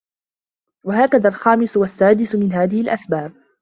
وَهَكَذَا الْخَامِسُ وَالسَّادِسُ مِنْ هَذِهِ الْأَسْبَابِ